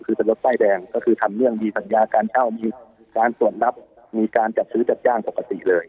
คือเป็นรถป้ายแดงก็คือทำเรื่องมีสัญญาการเช่ามีการตรวจรับมีการจัดซื้อจัดจ้างปกติเลย